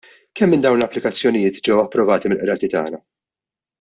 Kemm minn dawn l-applikazzjonijiet ġew approvati mill-Qrati tagħna?